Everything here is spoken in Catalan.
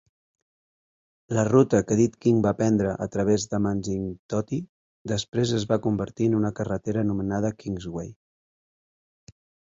La ruta que Dick King va prendre a través d'Amanzimtoti després es va convertir en una carretera anomenada Kingsway.